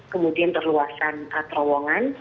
kemudian perluasan terowongan